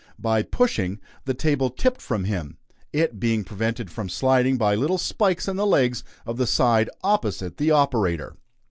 By pushing, the table tipped from him, it being prevented from sliding by little spikes in the legs of the side opposite the operator.